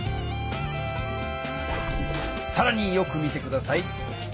さらによく見て下さい。